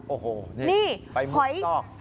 โอ้โหนี่ไปมุมซอก